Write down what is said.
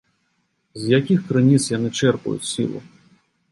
З якіх крыніц яны чэрпаюць сілу?